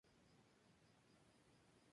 Su padre era sueco, un naturalizado.